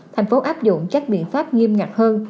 thành phố áp dụng các biện pháp nghiêm ngặt hơn